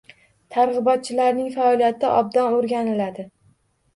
Targ‘ibotchilarning faoliyati obdon o‘rganiladi